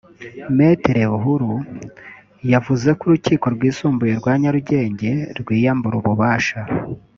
Me Buhuru yavuze ko Urukiko Rwisumbuye rwa Nyarugenge rwiyambura ububasha